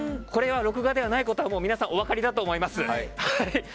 これは録画ではないことは皆さん、お分かりだと思います。